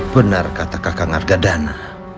benar kata kakak ngargadana